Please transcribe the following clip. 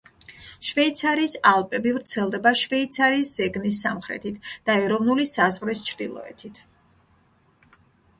შვეიცარიის ალპები ვრცელდება შვეიცარიის ზეგნის სამხრეთით და ეროვნული საზღვრის ჩრდილოეთით.